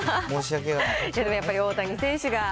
でもやっぱり、大谷選手が。